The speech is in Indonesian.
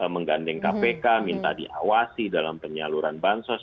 menggandeng kpk minta diawasi dalam penyaluran bansos